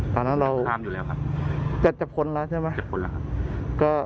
ตอนนั้นเราถ้าจับคนแล้วใช่ไหม